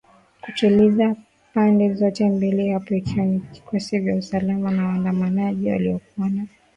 kutuliza pande zote mbili hapo ikiwa ni vikosi vya usalama na wandamanaji waliokuwa na